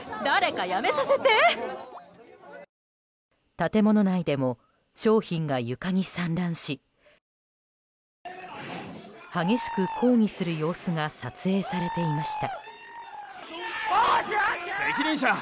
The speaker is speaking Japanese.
建物内でも商品が床に散乱し激しく抗議する様子が撮影されていました。